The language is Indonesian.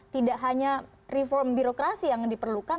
tidak hanya reform birokrasi yang diperlukan